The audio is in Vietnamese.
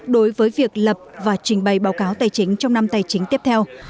đối với việc lập và trình bày báo cáo tài chính trong năm tài chính tiếp theo